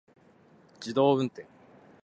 自動運転